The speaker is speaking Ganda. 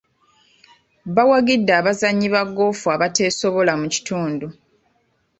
Baawagidde abazannyi ba goofu abateesobola mu kitundu.